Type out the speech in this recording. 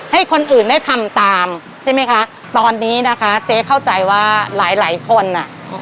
ให้คนอื่นได้ทำตามใช่ไหมคะตอนนี้นะคะเจ๊เข้าใจว่าหลายหลายคนอ่ะ